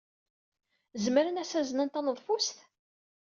Zemren ad as-aznen taneḍfust?